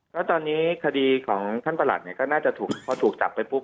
ก็ตอนนี้คดีของท่านประหลัดเนี่ยก็น่าจะถูกพอถูกจับไปปุ๊